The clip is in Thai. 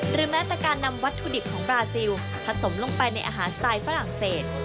แม้แต่การนำวัตถุดิบของบราซิลผสมลงไปในอาหารสไตล์ฝรั่งเศส